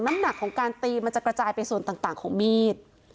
น้ำหนักของการตีมันจะกระจายไปส่วนต่างของมีด